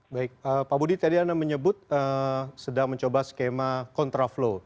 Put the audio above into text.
baik pak budi tadi anda menyebut sedang mencoba skema kontraflow